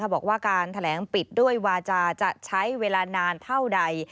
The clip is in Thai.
บอกว่าการแถลงปิดด้วยวาจาจะใช้เวลานานเท่าใด